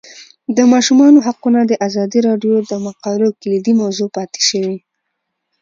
د ماشومانو حقونه د ازادي راډیو د مقالو کلیدي موضوع پاتې شوی.